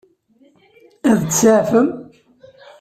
Ad t-tseɛfem?